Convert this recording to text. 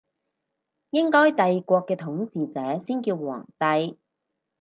應該帝國嘅統治者先叫皇帝